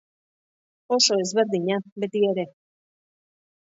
Oso ezberdina, beti ere.